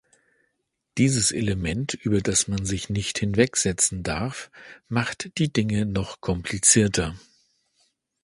Dieses Element, über das man sich nicht hinwegsetzen darf, macht die Dinge noch komplizierter.